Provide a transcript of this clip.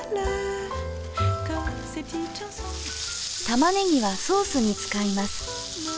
玉ねぎはソースに使います。